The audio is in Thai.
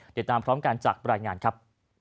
เดี๋ยวตามพร้อมกันจากปรายงานครับ